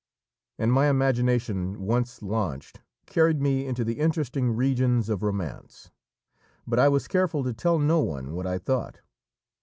And my imagination, once launched, carried me into the interesting regions of romance; but I was careful to tell no one what I thought.